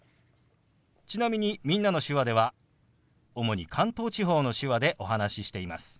ちなみに「みんなの手話」では主に関東地方の手話でお話ししています。